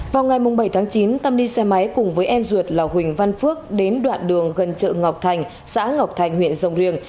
vào ngày bảy tháng chín tâm đi xe máy cùng với em ruột là huỳnh văn phước đến đoạn đường gần chợ ngọc thành xã ngọc thành huyện rồng riềng